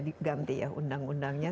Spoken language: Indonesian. diganti ya undang undangnya